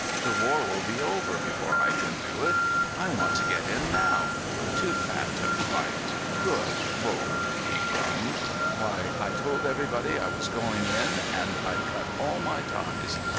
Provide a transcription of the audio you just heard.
The war will be over before I can do it. I want to get in now. Too fat to fight! Good Lord!" he groaned. "Why, I told everybody I was going in, and I cut all my ties.